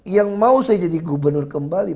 yang mau saya jadi gubernur kembali